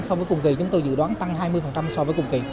so với cùng kỳ chúng tôi dự đoán tăng hai mươi so với cùng kỳ